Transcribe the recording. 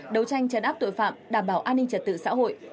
đấu tranh chấn áp tội phạm đảm bảo an ninh trật tự xã hội